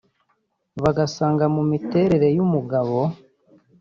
bagasanga mu miterere y’umugabo